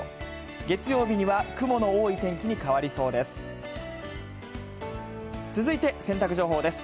月曜日には雲の多い天気に変わりそうです。